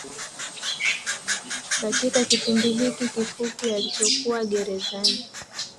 Katika kipindi hiki kifupi alichokuwa gerezani